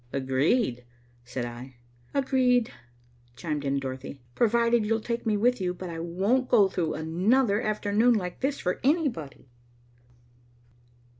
"Agreed," said I. "Agreed," chimed in Dorothy, "provided you'll take me with you. But I won't go through another afternoon like this for anybody."